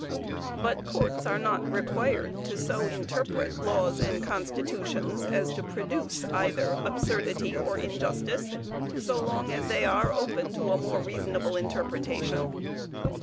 But courts are not required to so interpret laws or constitutions as to produce either absurdity or injustice, so long as they are open to a more reasonable interpretation.